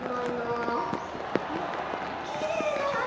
あっきれいな花！